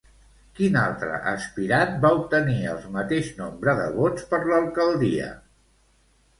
Quin altre aspirant va obtenir el mateix nombre de vots per l'alcaldia?